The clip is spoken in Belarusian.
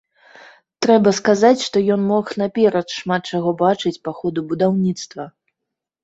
Трэба сказаць, што ён мог наперад шмат што бачыць па ходу будаўніцтва.